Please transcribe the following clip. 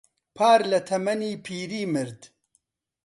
پار لە تەمەنی پیری مرد.